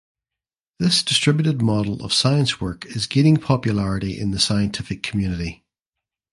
This distributed model of science work is gaining popularity in the scientific community.